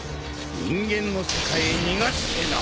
人間の世界へ逃がしてな！